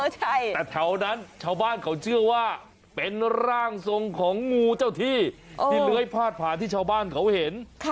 แต่แถวนั้นชาวบ้านเขาเชื่อว่าเป็นร่างทรงของงูเจ้าที่ที่เลื้อยพาดผ่านที่ชาวบ้านเขาเห็น